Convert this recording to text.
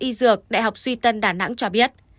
y dược đại học suy tân đà nẵng cho biết